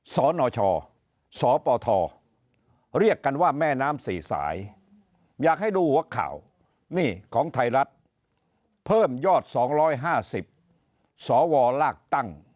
สนชสปทเรียกกันว่าแม่น้ำสี่สายอยากให้ดูหัวข่าวนี่ของไทยรัฐเพิ่มยอด๒๕๐สวลากตั้ง